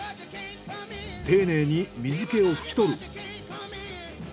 丁寧に水気をふき取る。